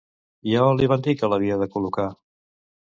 I a on li va dir que l'havia de col·locar?